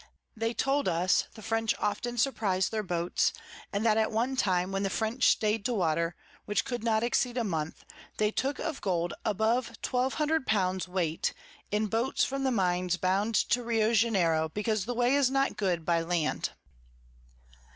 They told us, the French often surprize their Boats, and that at one time when the French staid to water, which could not exceed a month, they took of Gold above 1200 l. weight (in Boats from the Mines bound to Rio Janero, because the Way is not good by Land.)